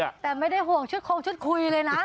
แต่ไม่ได้ห่วงชุดคงชุดคุยเลยนะ